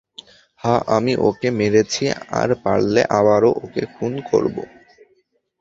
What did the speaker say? হ্যাঁ, আমি ওকে মেরেছি, আর পারলে আবারও ওকে খুন করব।